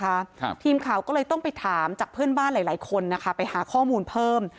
ครับทีมข่าวก็เลยต้องไปถามจากเพื่อนบ้านหลายหลายคนนะคะไปหาข้อมูลเพิ่ม